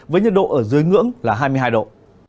với nhiệt độ ở dưới ngưỡng là hai mươi hai độ